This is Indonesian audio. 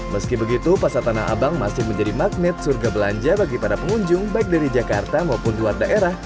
meski begitu pasar tanah abang masih menjadi magnet surga belanja bagi para pengunjung baik dari jakarta maupun luar daerah